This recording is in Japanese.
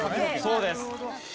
そうです。